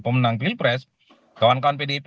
pemenang pilpres kawan kawan pdip